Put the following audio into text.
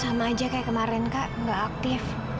sama aja kayak kemarin kak gak aktif